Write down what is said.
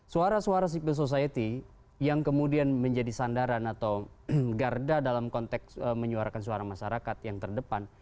suara suara civil society yang kemudian menjadi sandaran atau garda dalam konteks menyuarakan suara masyarakat yang terdepan